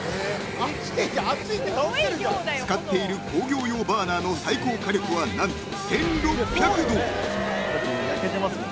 ［使っている工業用バーナーの最高火力は何と］ＯＫ！